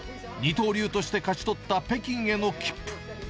二刀流として勝ち取った北京への切符。